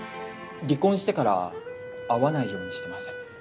離婚してから会わないようにしてます。